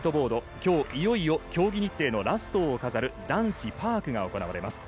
今日、いよいよ競技日程のラストを飾る男子パークが行われます。